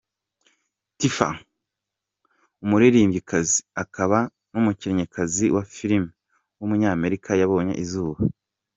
Tiffany, umuririmbyikazi, akaba n’umukinnyikazi wa film w’umunyamerika yabonye izuba.